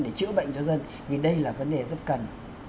để chữa bệnh cho dân vì đây là vấn đề rất cần